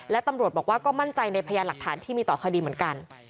และตำรวจบอกว่าก็มั่นใจในพยานหลักฐานที่มีต่อคดีเหมือนกัน